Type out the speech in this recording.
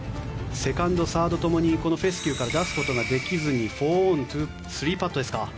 セカンド、サードともにこのフェスキューから出すことができずに４オン３パットですか。